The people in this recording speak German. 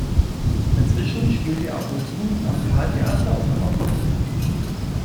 Dazwischen spielte er auch in Wien am Carltheater und am Apollotheater.